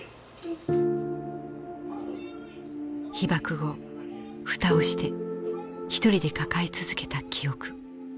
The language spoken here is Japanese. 被爆後蓋をして一人で抱え続けた記憶。